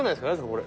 これ。